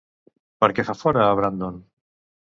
Per què fa fora a Brandon?